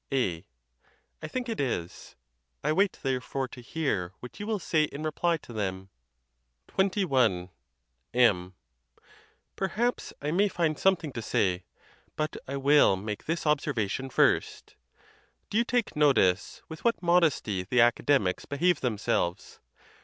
A. I think it is. I wait, therefore, to hear what you will say in reply to them. XXI. M. Perhaps I may find something to say; but I will make this observation first: do you take notice with what modesty the Academics behave themselves?